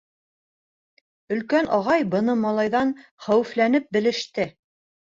— Өлкән Ағай быны малайҙан хәүефләнеп белеште.